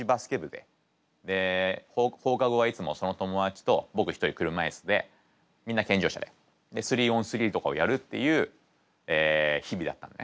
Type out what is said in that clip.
で放課後はいつもその友達と僕一人車いすでみんな健常者ででスリー・オン・スリーとかをやるっていう日々だったのね。